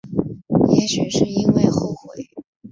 也许是因为后悔